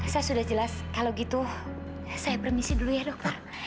saya sudah jelas kalau gitu saya permisi dulu ya dok